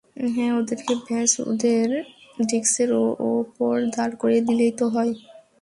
হ্যাঁ, ওদেরকে ব্যাস ওদের ডেস্কের ওপর দাঁড় করিয়ে দিলেই তো হয়।